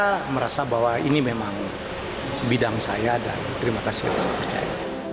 saya merasa bahwa ini memang bidang saya dan terima kasih yang saya percaya